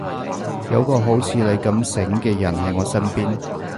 有個好似你咁醒嘅人喺我身邊